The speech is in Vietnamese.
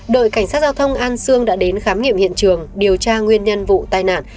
đội cảnh sát giao thông an sương đã đến khám nghiệm hiện trường điều tra nguyên nhân vụ tai nạn